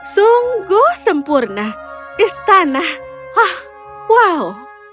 sungguh sempurna istana wah